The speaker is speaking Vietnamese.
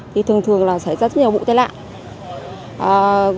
thì thường thường là xảy ra rất nhiều vụ tai nạn